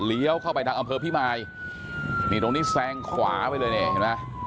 เข้าไปทางอำเภอพิมายนี่ตรงนี้แซงขวาไปเลยเนี่ยเห็นไหม